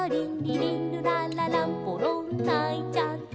「りりんるらららぽろんないちゃった」